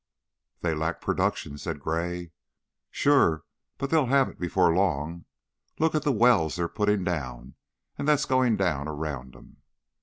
"They lack production," said Gray. "Sure! But they'll have it before long. Lookit the wells they're putting down and that's going down around 'em."